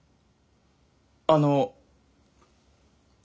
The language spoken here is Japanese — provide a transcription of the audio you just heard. あの。